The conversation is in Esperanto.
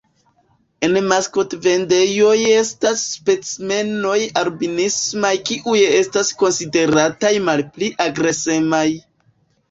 En maskotvendejoj estas specimenoj albinismaj kiuj estas konsiderataj malpli agresemaj.